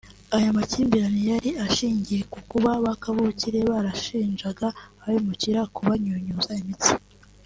Aya makimbirane yari ashingiye ku kuba ba kavukire barashinjaga abimukira kubanyunyuza imitsi